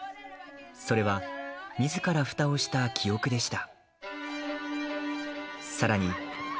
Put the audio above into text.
それは、みずからふたをした記憶でした。